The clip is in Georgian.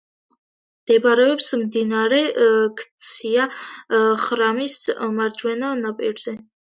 მდებარეობს მდინარე ქცია-ხრამის მარჯვენა ნაპირზე.